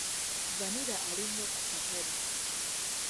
Vvanira ali nnyo ku katale.